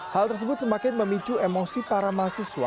hal tersebut semakin memicu emosi para mahasiswa